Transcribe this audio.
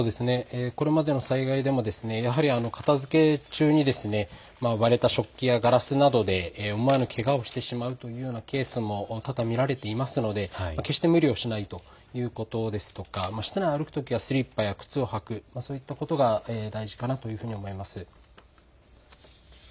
これまでの災害でもやはり片づけ中に割れた食器やガラスなどで思わぬけがをしてしまうというようなケースも多々見られていますので決して無理をしないこと、ということですとかスリッパや靴を履く、そういったことが大事かなというふうに思います。